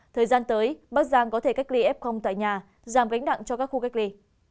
thời gian tới bắc giang có thể cách ly f tại nhà giảm gánh nặng cho các khu cách ly